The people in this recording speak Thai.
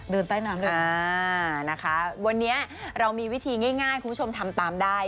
ใต้น้ำเลยอ่านะคะวันนี้เรามีวิธีง่ายคุณผู้ชมทำตามได้